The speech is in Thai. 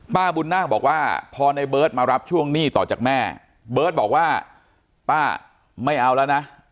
บุญนาคบอกว่าพอในเบิร์ตมารับช่วงหนี้ต่อจากแม่เบิร์ตบอกว่าป้าไม่เอาแล้วนะ